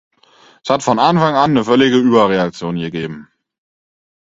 Es hat von Anfang an eine völlige Überreaktion gegeben.